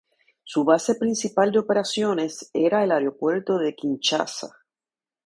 Su base principal de operaciones era el Aeropuerto de Kinshasa.